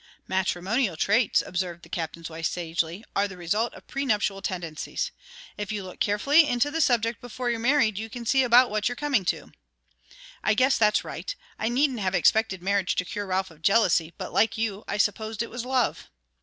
"Matrimonial traits," observed the Captain's wife, sagely, "are the result of pre nuptial tendencies. If you look carefully into the subject before you're married, you can see about what you're coming to." "I guess that's right. I needn't have expected marriage to cure Ralph of jealousy, but, like you, I supposed it was love."